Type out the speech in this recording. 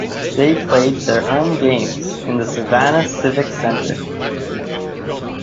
They played their home games in the Savannah Civic Center.